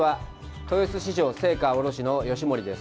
豊洲市場青果卸の吉守です。